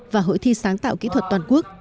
và hội thi sáng tạo kỹ thuật toàn quốc